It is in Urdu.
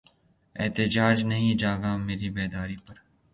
احتجاجاً نہیں جاگا مری بیداری پر